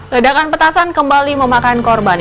ledakan petasan kembali memakan korban